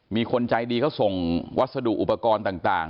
มีคนใจดีเขาส่งวัสดุอุปกรณ์ต่าง